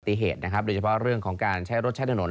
ติเหตุนะครับโดยเฉพาะเรื่องของการใช้รถใช้ถนน